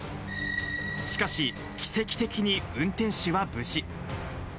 しかし、奇跡的に運転手は無事。